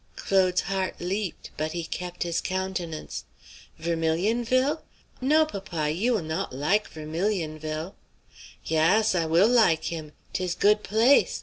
Claude's heart leaped, but he kept his countenance. "Vermilionville? No, papa; you will not like Vermilionville." "Yaas! I will like him. 'Tis good place!